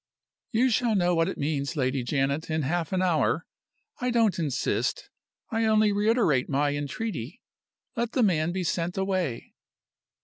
"You shall know what it means, Lady Janet, in half an hour. I don't insist I only reiterate my entreaty. Let the man be sent away."